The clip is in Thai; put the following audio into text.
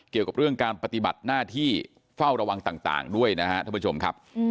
เกี่ยวกับเรื่องการปฏิบัติหน้าที่เฝ้าระวังต่างด้วยนะครับท่านผู้ชมครับ